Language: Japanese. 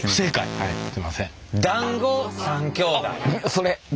はい。